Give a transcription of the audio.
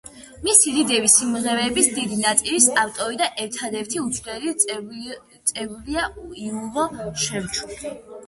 მისი ლიდერი, სიმღერების დიდი ნაწილის ავტორი და ერთადერთი უცვლელი წევრია იური შევჩუკი.